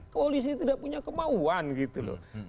koalisi tidak punya kemauan gitu loh